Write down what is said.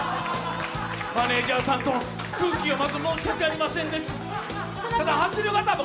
マネージャーさんと、空気読まず申し訳ありませんです！と。